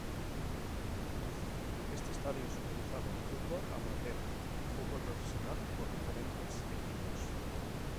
Este estadio es utilizado en fútbol amateur y fútbol profesional por diferentes equipos.